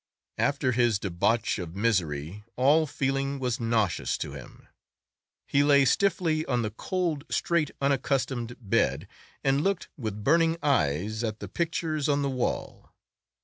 After his debauch of misery all feeling was nauseous to him. He lay stiffly on the cold, straight, unaccustomed bed, and looked with burning eyes at the pictures on the wall.